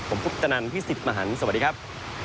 ผมพุทธนันพี่สิทธิ์มหันฯสวัสดีครับ